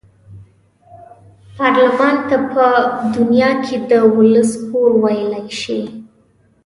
پارلمان ته په دنیا کې د ولس کور ویلای شي.